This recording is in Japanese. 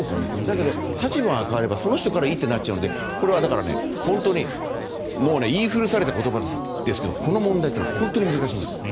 だけど立場が変わればその人がいいとなっちゃうのでこれは本当に言い古された言葉ですがこの問題というのは本当に難しいんです。